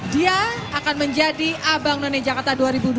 dia akan menjadi abang none jakarta dua ribu dua puluh